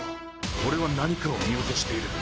俺は何かを見落としている